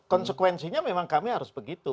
konsekuensinya memang kami harus begitu